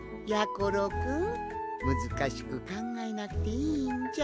ころくんむずかしくかんがえなくていいんじゃ。